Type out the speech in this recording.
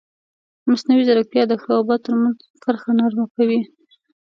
مصنوعي ځیرکتیا د ښه او بد ترمنځ کرښه نرمه کوي.